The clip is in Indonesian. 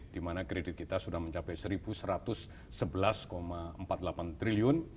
di mana kredit kita sudah mencapai rp satu satu ratus sebelas empat puluh delapan triliun